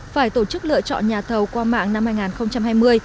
phải tổ chức lựa chọn nhà thầu qua mạng năm hai nghìn hai mươi